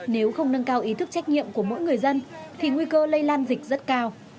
nếu không nâng cao ý thức trách nhiệm của mỗi người dân thì nguy cơ lây lan dịch rất cao